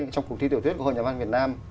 trong cuộc thi tiểu thuyết của hội nhà văn việt nam